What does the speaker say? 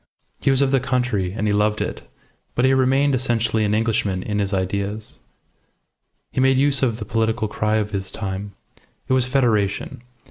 He was of the country, and he loved it, but he remained essentially an Englishman in his ideas. He made use of the political cry of his time. It was Federation.